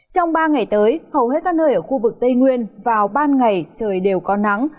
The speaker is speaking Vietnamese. trong ba ngày tới hầu hết các nơi ở khu vực tây nguyên vào ban ngày trời đều có nắng